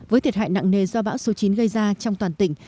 với thiệt hại nặng nề do bão số chín gây ra trong toàn tỉnh